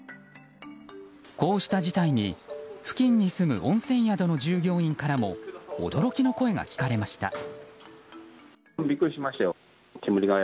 こうした事態に付近に住む温泉宿の従業員からも驚きの声が聞かれました。